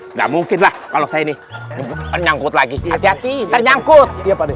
nggak mungkin lah kalau saya ini menyangkut lagi hati hati ternyangkut